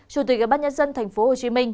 chủ tịch ủy ban nhân dân tp hcm